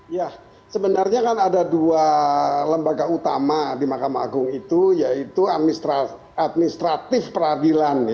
ya sebenarnya kan ada dua lembaga utama di mahkamah agung itu yaitu administratif peradilan